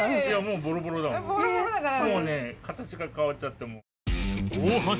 もうね形が変わっちゃって。